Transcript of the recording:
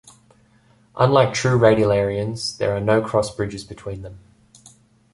Unlike true radiolarians, there are no cross-bridges between them.